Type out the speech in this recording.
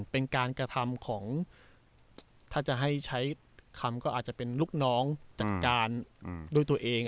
เป็นการกระทำของถ้าจะให้ใช้คำก็อาจจะเป็นลูกน้องจัดการด้วยตัวเอง